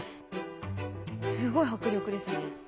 すごい迫力ですね。